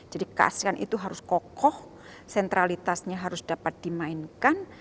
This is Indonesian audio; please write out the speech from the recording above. jadi asean itu harus kokoh sentralitasnya harus dapat dimainkan